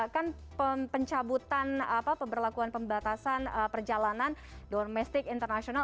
kan pencabutan apa pemberlakuan pembatasan perjalanan domestic internasional